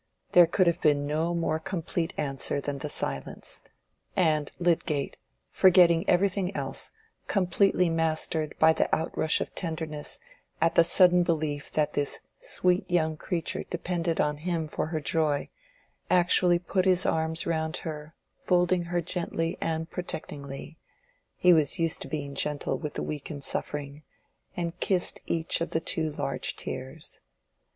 There could have been no more complete answer than that silence, and Lydgate, forgetting everything else, completely mastered by the outrush of tenderness at the sudden belief that this sweet young creature depended on him for her joy, actually put his arms round her, folding her gently and protectingly—he was used to being gentle with the weak and suffering—and kissed each of the two large tears.